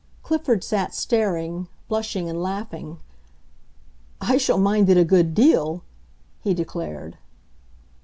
Clifford sat staring, blushing and laughing. "I shall mind it a good deal!" he declared.